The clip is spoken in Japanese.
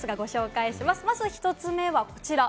まず１つ目はこちら。